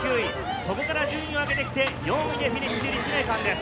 そこから順位を上げてきて２位でフィニッシュｙ、立命館です。